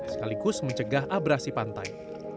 sekaligus mencegah abrasi pantai